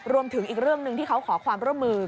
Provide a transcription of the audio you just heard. รวมถึงอีกเรื่องหนึ่งที่เขาขอความร่วมมือ